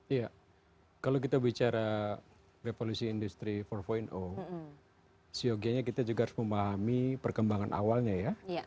iya kalau kita bicara revolusi industri empat siog nya kita juga harus memahami perkembangan awalnya ya